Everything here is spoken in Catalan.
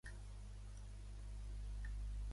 La majoria de gent té una tarja amb xip i de pin.